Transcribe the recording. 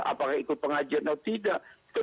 apakah ikut pengajian atau tidak